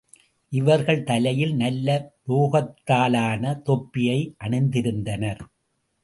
இவர்கள் தலையில் நல்ல உலோகத்தாலான தொப்பியை அணிந்திருந்தனர்.